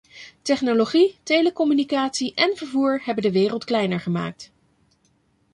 Technologie, telecommunicatie en vervoer hebben de wereld kleiner gemaakt.